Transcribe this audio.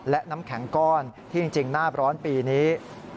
และน้ำแข็งก้อนที่จริงหน้าร้อนปีนี้